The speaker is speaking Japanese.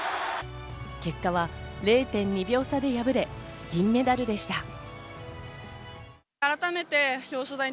結果は０．２秒差で敗れ、銀メダルでした。